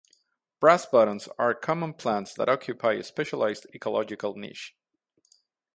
Brass buttons are common plants that occupy a specialized ecological niche.